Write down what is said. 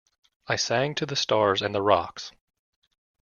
I sang to the stars and the rocks.